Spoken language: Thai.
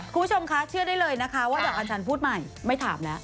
คุณผู้ชมคะเชื่อได้เลยนะคะว่าดอกอัญชันพูดใหม่ไม่ถามแล้ว